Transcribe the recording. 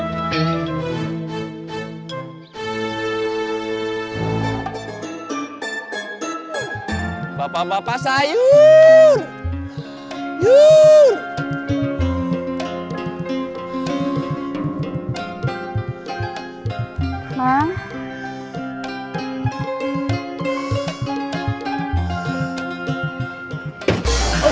ketipar gajah kamu baru tahu